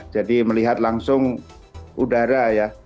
jadi melihat langsung udara